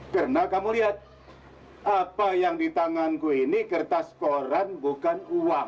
karena kamu lihat apa yang di tanganku ini kertas koran bukan uang